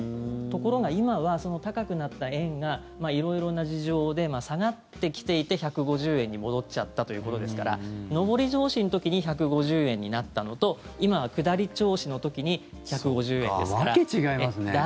ところが今は、高くなった円が色々な事情で下がってきていて１５０円に戻っちゃったということですから上り調子の時に１５０円になったのと今は下り調子の時に１５０円ですから。